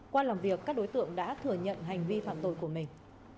qua làm việc các đối tượng đã thừa nhận hành vi phạm tội của mình